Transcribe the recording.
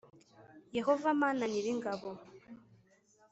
Yehova mana nyir ingabo